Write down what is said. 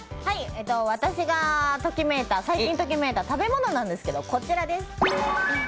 私が最近ときめいた食べ物なんですけど、こちらです。